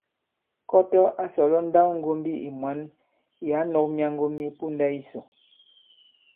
Kɔtɔ a sɔ̀lɔ nndawŋgōmbi ì mwǎn ì ǎ nɔ̄k myaŋgo mye ponda yisò.